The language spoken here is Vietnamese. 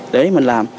để mình làm